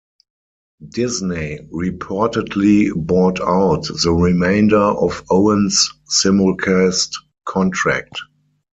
Disney reportedly bought out the remainder of Owens' simulcast contract.